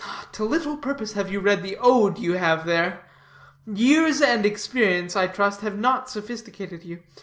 To little purpose have you read the Ode you have there. Years and experience, I trust, have not sophisticated you.